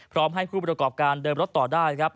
พร้อมให้ผู้ประกอบการเดินรถต่อได้ครับ